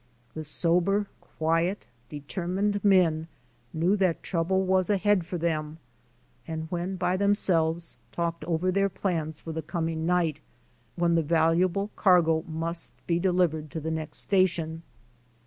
The sober, quiet, determined men knew that trouble was ahead of them and when by them selves talked over their plans for the coming night when the valuable cargo must be delivered to the next station.